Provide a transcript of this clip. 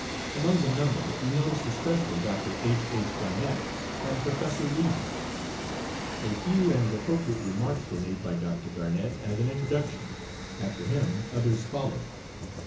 Among the number we noticed especially Dr. H. H. Garnett and Processor Reason. A few and appropriate remarks were made by Dr. Garnett as an introduction, after him others followed.